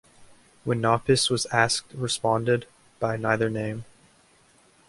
When Knopis was asked responded: by neither name.